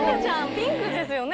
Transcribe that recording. ピンクですよね？